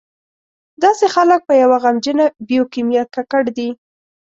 داسې خلک په یوه غمجنه بیوکیمیا ککړ دي.